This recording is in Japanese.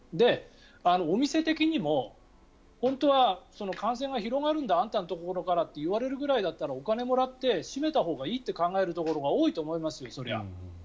お店的にも本当は感染が広がるんだあんたのところからって言われるぐらいだったらお金をもらって閉めたほうがいいと考えるところが多いと思いますよ、それは。